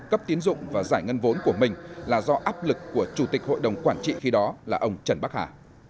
cấp tiến dụng và giải ngân vốn của mình là do áp lực của chủ tịch hội đồng quản trị khi đó là ông trần bắc hà